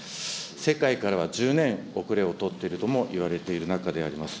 世界からは１０年遅れを取っているともいわれている中であります。